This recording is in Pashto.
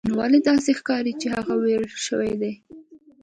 نو ولې داسې ښکاري چې هغه ویرول شوی دی